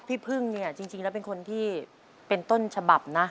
พึ่งเนี่ยจริงแล้วเป็นคนที่เป็นต้นฉบับนะ